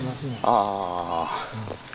ああ。